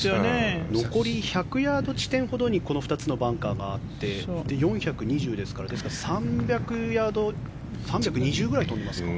残り１００ヤード地点ほどにこの２つのバンカーがあって４２０ですから３００ヤード３２０くらい飛んでますか。